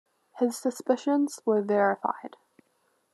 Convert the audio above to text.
His suspicions were verified.